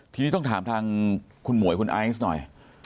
ทีนี้ต้องถามทางคุณหมวยคุณไอซ์หน่อย